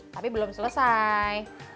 tapi belum selesai